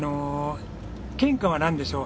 県花は何でしょう？